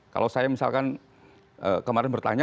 kalau saya misalkan kemarin bertanya